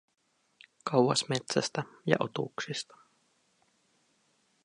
Kauas metsästä ja otuksista.